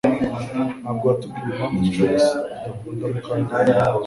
Ntabwo watubwiye impamvu Trix adakunda Mukandoli